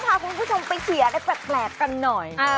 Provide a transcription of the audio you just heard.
พาคุณผู้ชมไปเขียนอะไรแปลกกันหน่อย